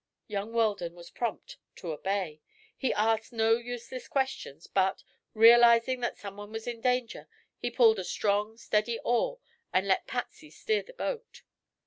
Young Weldon was prompt to obey. He asked no useless questions but, realizing that someone was in danger, he pulled a strong, steady oar and let Patsy steer the boat.